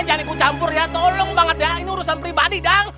jangan ikut campur ya tolong banget ya ini urusan pribadi dong